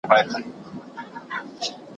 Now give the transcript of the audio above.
جنگ پر پوستين دئ -عبدالباري جهاني,